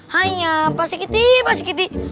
haiya pak srikiti pak srikiti